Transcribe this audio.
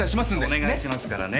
お願いしますからね